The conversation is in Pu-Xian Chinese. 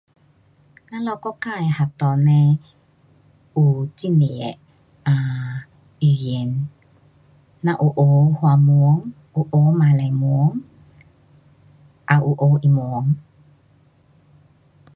咱们国家的学堂嘞，有很多的啊，语言。咱有学华文，有学马来文，也有学英文。